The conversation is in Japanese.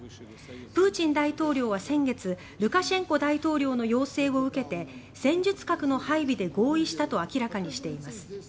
プーチン大統領は先月ルカシェンコ大統領の要請を受けて戦術核の配備で合意したと明らかにしています。